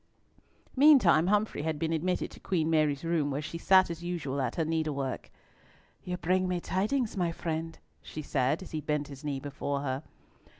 Meantime Humfrey had been admitted to Queen Mary's room, where she sat as usual at her needlework. "You bring me tidings, my friend," she said, as he bent his knee before her.